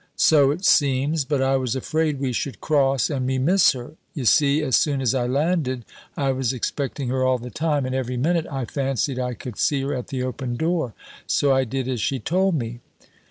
"So it seems, but I was afraid we should cross and me miss her y'see, as soon as I landed, I was expecting her all the time, and every minute I fancied I could see her at the open door. So I did as she told me."